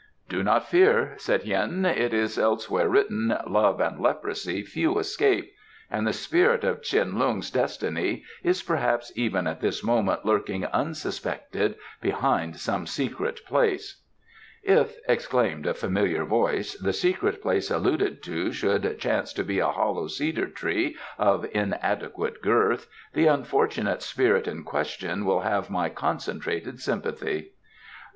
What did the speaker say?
"Do not fear," said Hien. "It is elsewhere written, 'Love and leprosy few escape,' and the spirit of Tsin Lung's destiny is perhaps even at this moment lurking unsuspected behind some secret place." "If," exclaimed a familiar voice, "the secret place alluded to should chance to be a hollow cedar tree of inadequate girth, the unfortunate spirit in question will have my concentrated sympathy."